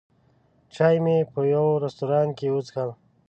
چای مې په یوه رستورانت کې وڅښل.